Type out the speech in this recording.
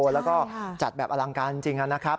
แล้วก็จัดแบบอลังการจริงนะครับ